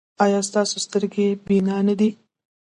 ایا ستاسو سترګې بینا نه دي؟